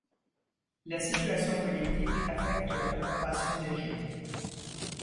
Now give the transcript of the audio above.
La situation politique affecte la préparation des Jeux.